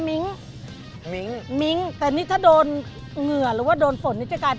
มันมีแล้วขายมากกว่าครับผม